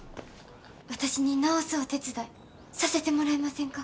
私に直すお手伝いさせてもらえませんか。